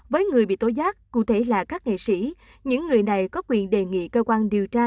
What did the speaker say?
với người bị tối giác cụ thể là các nghệ sĩ những người này có quyền đề nghị cơ quan điều tra